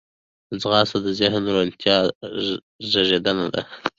ځغاسته د ذهني روڼتیا زیږنده ده